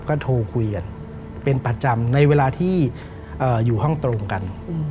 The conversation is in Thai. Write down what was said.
ก็โทรคุยกันเป็นประจำในเวลาที่อยู่ห้องตรงกัน